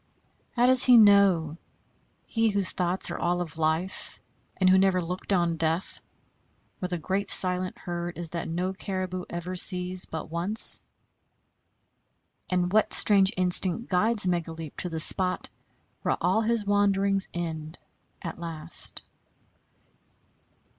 How does he know, he whose thoughts are all of life, and who never looked on death, where the great silent herd is that no caribou ever sees but once? And what strange instinct guides Megaleep to the spot where all his wanderings end at last?